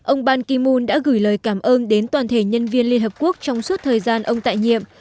ông ban kim mun đã gửi lời cảm ơn đến toàn thể nhân viên liên hợp quốc trong suốt thời gian ông tại nhiệm